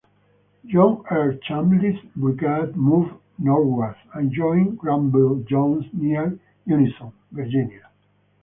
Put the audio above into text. John R. Chambliss's brigade moved northward and joined "Grumble" Jones near Unison, Virginia.